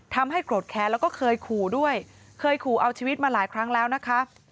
โกรธแค้นแล้วก็เคยขู่ด้วยเคยขู่เอาชีวิตมาหลายครั้งแล้วนะคะ